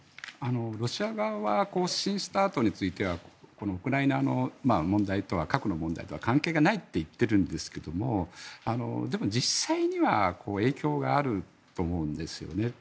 ロシア側は新ＳＴＡＲＴについてはこのウクライナの問題とは核の問題とは関係がないと言っているんですがでも実際には影響があると思うんですよね。